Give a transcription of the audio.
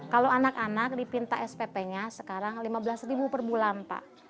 kalau anak anak dipinta spp nya sekarang lima belas ribu per bulan pak